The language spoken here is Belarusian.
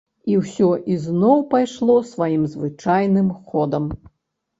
І ўсё ізноў пайшло сваім звычайным ходам.